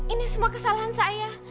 ini semua kesalahan saya